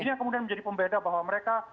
dan juga ini menjadi pembeda bahwa mereka